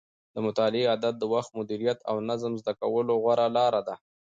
د مطالعې عادت د وخت د مدیریت او نظم زده کولو غوره لاره ده.